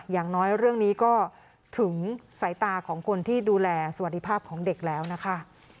อย่างน้อยเรื่องนี้ก็ถึงสายตาของคนที่ดูแลสวัสดีภาพของเด็กแล้วนะคะ